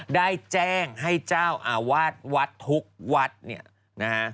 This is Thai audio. ได้แจ้งให้เจ้าอาวัฒน์วัฒน์ทุกวัฒน์